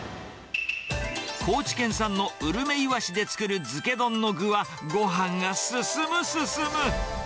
高知県産のうるめいわしで作る漬け丼の具は、ごはんが進む、進む。